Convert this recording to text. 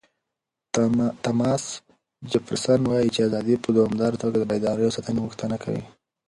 تاماس جفرسن وایي چې ازادي په دوامداره توګه د بیدارۍ او ساتنې غوښتنه کوي.